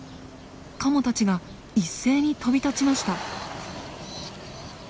カモたちが一斉に飛び立ちました。